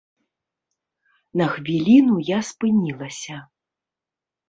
На хвіліну я спынілася.